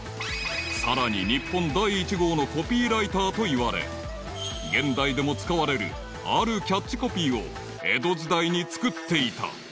［さらに日本第一号のコピーライターといわれ現代でも使われるあるキャッチコピーを江戸時代に作っていた］